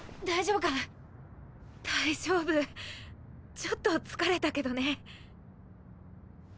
大丈夫ちょっと疲れたけどね。